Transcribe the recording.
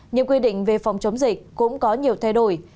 những quy định về phòng chống dịch cũng có nhiều thay đổi